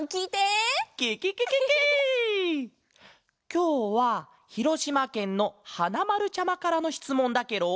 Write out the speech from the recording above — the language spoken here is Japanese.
きょうはひろしまけんのはなまるちゃまからのしつもんだケロ。